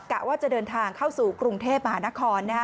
กะว่าจะเดินทางเข้าสู่กรุงเทพมหานคร